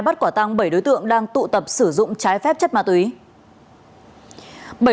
bắt quả tăng bảy đối tượng đang tụ tập sử dụng trái phép chất ma túy